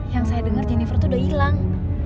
yang saya dengar jennifer itu udah hilang